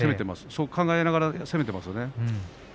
そう考えながら攻めています。